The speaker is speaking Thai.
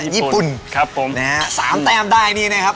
ญี่ปุ่นสามแต้มได้นี่นะครับ